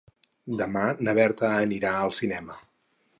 Demà na Berta anirà al cinema.